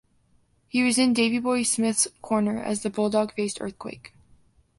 He was in Davey Boy Smith's corner as the Bulldog faced Earthquake.